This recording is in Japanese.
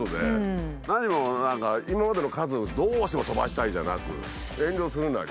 何も何か今までの数どうしても飛ばしたいじゃなく遠慮するなり。